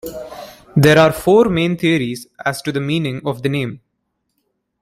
There are four main theories as to the meaning of the name.